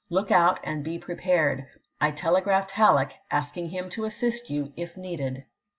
* Look out, and be prepared. I telegraphed Halleck, p. 612.' asking him to assist you if needed."